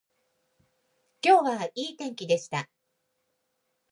今日はいい日でした